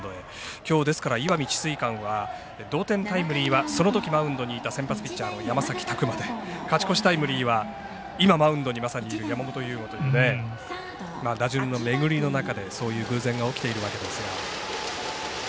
きょう、ですから石見智翠館は同点タイムリーはそのときにマウンドにいたピッチャーの山崎で勝ち越しタイムリーは今まさにマウンドにいる山本由吾ということで打順の巡りの中でそういう偶然ができているわけですが。